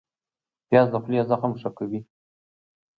پیاز د خولې زخم ښه کوي